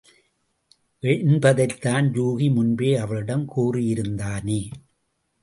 என்பதைத்தான் யூகி முன்பே அவளிடம் கூறியிருந்தானே?